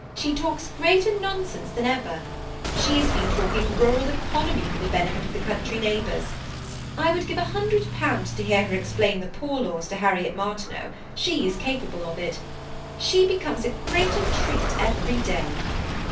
she talks greater nonsense than ever. She has been talk THE SEMI ATTACHED COUPLE. 188 ing rural economy for the benefit of the country neigh bors. I would give £100 to hear her explain the poor laws to Harriet Martineau ; she is capable of it She becomes a greater treat every day.'